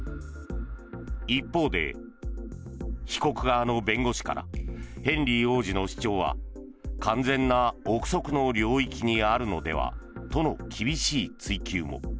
一方で、被告側の弁護士からヘンリー王子の主張は完全な臆測の領域にあるのではとの厳しい追及も。